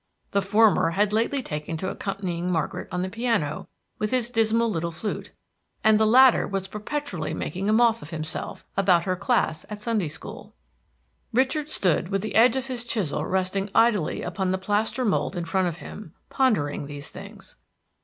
The former had lately taken to accompanying Margaret on the piano with his dismal little flute, and the latter was perpetually making a moth of himself about her class at Sunday school. Richard stood with the edge of his chisel resting idly upon the plaster mold in front of him, pondering these things.